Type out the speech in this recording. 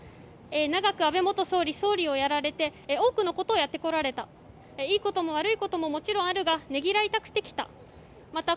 長く安倍元総理、総理をやられて多くのことをやってこられたいいことも悪いことももちろんあるがねぎらいたくて来た。